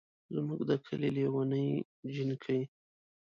زمونږ ده کلي لېوني جينکۍ